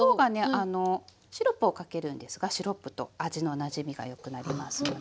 シロップをかけるんですがシロップと味のなじみがよくなりますので。